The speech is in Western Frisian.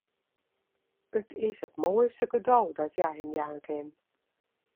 It is it moaiste kado dat hja him jaan kin.